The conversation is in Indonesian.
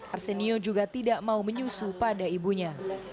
arsenio juga tidak mau menyusu pada ibunya